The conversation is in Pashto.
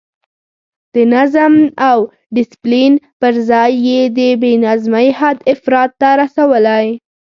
د نظم او ډسپلین پر ځای یې د بې نظمۍ حد افراط ته رسولی.